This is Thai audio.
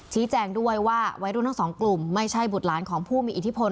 ชี้แจงด้วยว่าไว้ดูทั้ง๒กลุ่มไม่ใช่บุตรล้านของผู้มีอิทธิพล